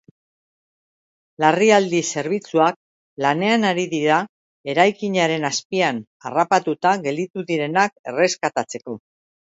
Larrialdi zerbitzuak lanean ari dira eraikinaren azpian harrapatuta gelditu direnak erreskatatzeko.